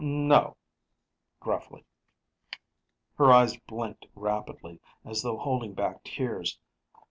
"No." Gruffly. Her eyes blinked rapidly, as though holding back tears.